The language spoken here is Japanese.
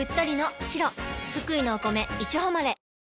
福井のお米いちほまれ。